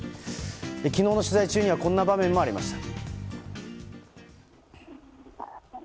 昨日の取材中にはこんな場面もありました。